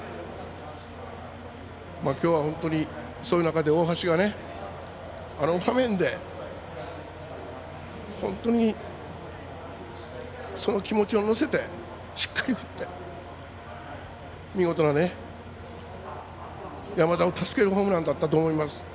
きょうは、本当にその中で大橋があの場面で本当にその気持ちを乗せてしっかり振って見事な山田を助けるホームランだったと思います。